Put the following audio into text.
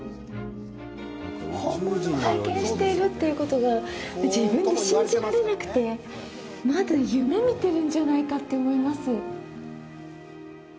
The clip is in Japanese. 本物を拝見しているということが自分で信じられなくてまだ夢見てるんじゃないかって思います。